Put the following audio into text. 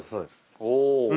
お。